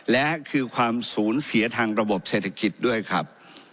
และคือความสูญเสียทางระบบเศรษฐกิจด้วยครับ